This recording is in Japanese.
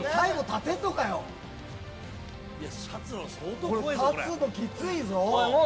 立つのきついぞ。